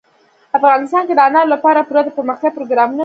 افغانستان کې د انارو لپاره پوره دپرمختیا پروګرامونه شته دي.